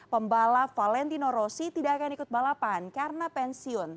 pembalap valentino rossi tidak akan ikut balapan karena pensiun